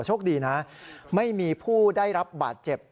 โชคดีนะไม่มีผู้ได้รับบาดเจ็บ